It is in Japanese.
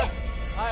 はい